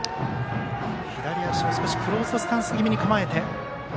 左足を少しクローズドスタンス気味に構えて。